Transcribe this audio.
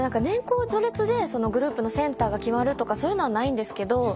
年功序列でグループのセンターが決まるとかそういうのはないんですけど。